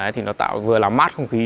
thì nó vừa làm mát không khí